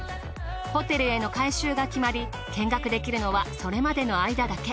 ホテルへの改修が決まり見学できるのはそれまでの間だけ。